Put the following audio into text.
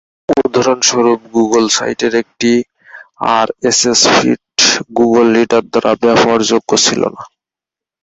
উদাহরণস্বরূপ, গুগল সাইটের একটি আরএসএস ফিড গুগল রিডার দ্বারা ব্যবহারযোগ্য ছিল না।